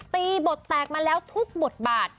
ตีบทแตกมาแล้วทุกบทบาท